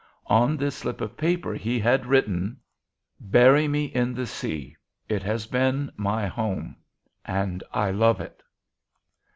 "On this slip of paper he had written: "'Bury me in the sea; it has been my home, and I love it.